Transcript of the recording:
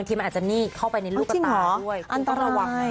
ก็อยู่ยาวไปเลย